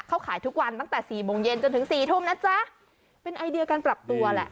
เขาขายทุกวันตั้งแต่สี่โมงเย็นจนถึงสี่ทุ่มนะจ๊ะเป็นไอเดียการปรับตัวแหละ